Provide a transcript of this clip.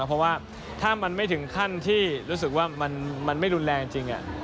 เพราะว่าถ้ามันไม่ถึงขั้นที่รู้สึกว่ามันไม่รุนแรงจริง